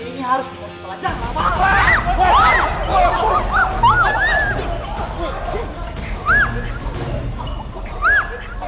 dia ini harus dikosong pelajaran lama